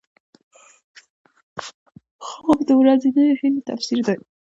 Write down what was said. خوب د ورځنیو هیلو تفسیر دی